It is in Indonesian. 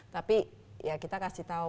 tapi ya kita kasih tahu